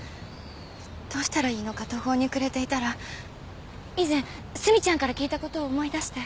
どうしたらいいのか途方に暮れていたら以前須美ちゃんから聞いたことを思い出して。